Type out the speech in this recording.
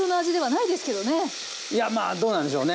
いやまあどうなんでしょうね。